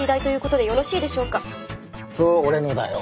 そう俺のだよ。